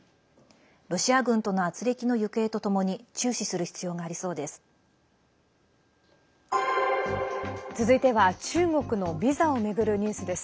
ロシア軍とのあつれきの行方とともに注視する必要がありそうです。